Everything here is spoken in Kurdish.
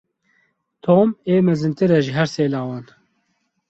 Tom ê mezintir e ji her sê lawan.